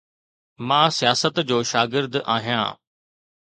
مان سياست جو شاگرد آهيان.